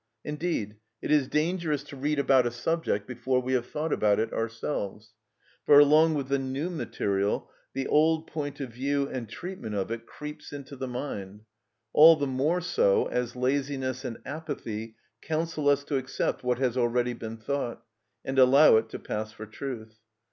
Indeed it is dangerous to read about a subject before we have thought about it ourselves. For along with the new material the old point of view and treatment of it creeps into the mind, all the more so as laziness and apathy counsel us to accept what has already been thought, and allow it to pass for truth.